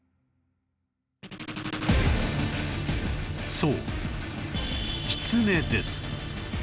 そうキツネです